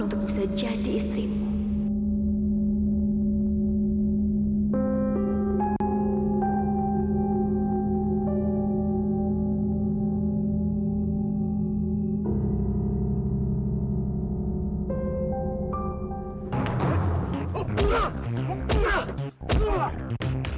untuk bisa jadi istrimu